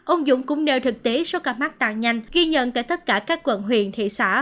ông dũng cũng nêu thực tế số ca mắc tăng nhanh ghi nhận tại tất cả các quận huyện thị xã